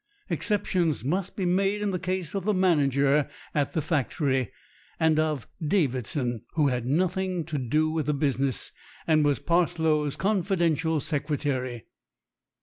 Ex ceptions must be made in the case of the manager at the factory, and of Davidson, who had nothing to do with the business and was Parslow's confidential secre tary.